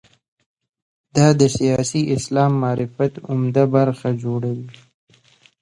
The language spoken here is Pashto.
دا د سیاسي اسلام معرفت عمده برخه جوړوي.